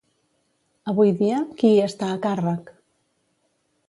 Avui dia, qui hi està a càrrec?